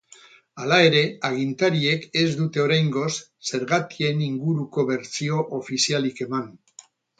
Hala ere, agintariek ez dute oraingoz zergatien inguruko bertsio ofizialik eman.